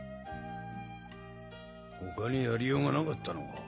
他にやりようがなかったのか？